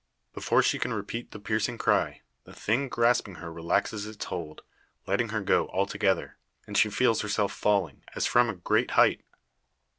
Before she can repeat the piercing cry, the thing grasping her relaxes its hold, letting her go altogether, and she feels herself falling, as from a great height.